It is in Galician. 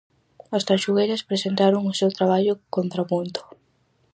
As Tanxugueiras presentaron o seu traballo "Contrapunto".